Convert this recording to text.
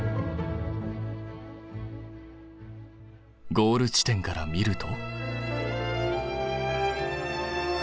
ゴール地点から見ると。